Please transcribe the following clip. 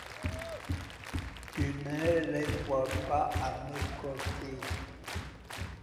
Je ne les vois pas à mes côtés.